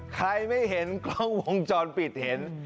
ใครไม่เห็นกล้องวงจรปิดเห็น